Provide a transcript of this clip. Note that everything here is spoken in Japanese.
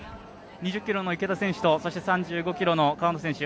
２０ｋｍの池田選手と３５ｋｍの川野選手